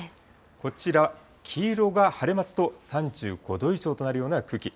こちら、黄色が晴れますと３５度以上となるような空気。